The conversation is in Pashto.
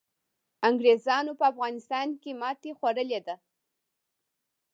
انګریزانو په افغانستان کي ماتي خوړلي ده.